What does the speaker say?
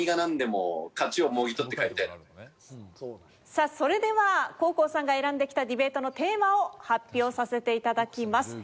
さあそれでは黄皓さんが選んできたディベートのテーマを発表させていただきます。